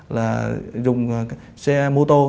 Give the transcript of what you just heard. là dùng xe mô tô